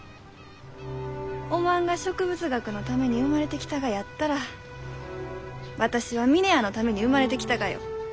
おまんが植物学のために生まれてきたがやったら私は峰屋のために生まれてきたがよ。